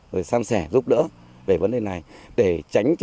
rồi sang sẻ giúp đỡ về vấn đề này